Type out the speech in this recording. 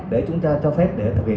để chúng ta cho phép để thực hiện